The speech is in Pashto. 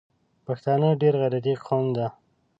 پښتانه ډېر غیرتي قوم ده